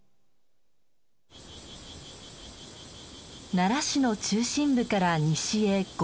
奈良市の中心部から西へ５キロほど。